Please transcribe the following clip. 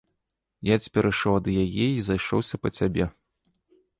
Я цяпер ішоў ад яе і зайшоўся па цябе.